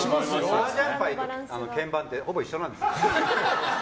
マージャン牌と鍵盤ってほぼ一緒なんですよ。